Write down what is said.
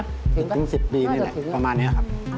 ๑๐ปีนี่แหละประมาณนี้ครับ